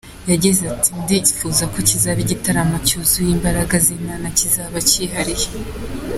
Yagize ati “Ndifuza ko kizaba ari gitaramo cyuzuye imbaraga z’Imana kizaba cyihariye.